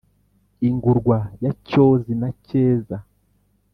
ingurwa ya cyozi na cyeza